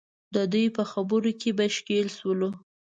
د دوی پر خبرو کې به ښکېل شولو.